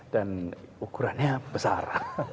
dan ukurannya besar